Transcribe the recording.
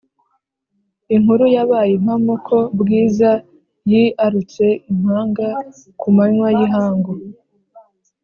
Inkuru yabaye impamo ko Bwiza yiarutse impanga ku manywa y’ihangu.